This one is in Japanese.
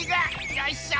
よいしょ！